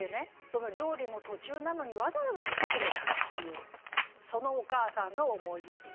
その料理の途中なのにわざわざ来てくれたっていうそのお母さんの思いやり。